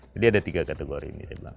jadi ada tiga kategori ini